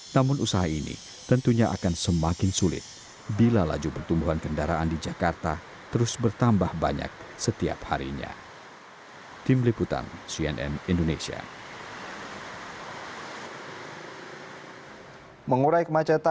namun usaha ini tentunya akan semakin sulit bila laju pertumbuhan kendaraan di jakarta terus bertambah banyak setiap harinya